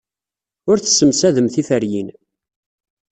Ur tessemsadem tiferyin.